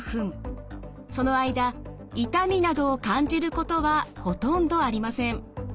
その間痛みなどを感じることはほとんどありません。